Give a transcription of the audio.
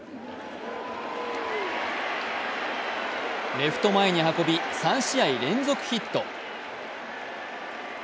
レフト前に運び３試合連続ヒット。